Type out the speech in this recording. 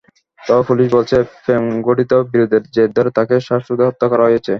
তবে পুলিশ বলছে, প্রেমঘটিত বিরোধের জের ধরে তাকে শ্বাসরোধে হত্যা করা হয়েছে।